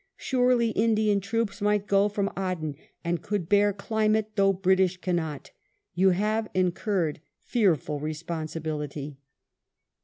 Surely Indian troops might go from Aden and could bear climate though British cannot. You have incurred fearful responsibility."